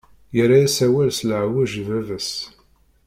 Yerra-yas awal s leɛweǧ i baba-s.